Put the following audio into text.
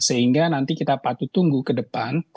sehingga nanti kita patut tunggu ke depan